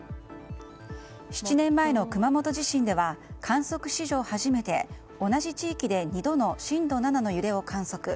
７年前の熊本地震では観測史上初めて同じ地域で２度の震度７の揺れを観測。